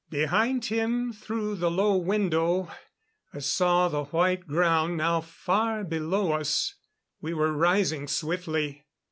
Behind him through the low window, I saw the white ground now far below us; we were rising swiftly.